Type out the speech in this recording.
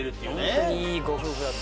ほんとにいいご夫婦だった。